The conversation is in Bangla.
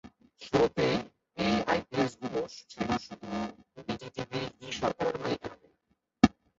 শুরুতে এই আইএসপি গুলো ছিল শুধু বিটিটিবি-ই সরকারি মালিকানাধীন।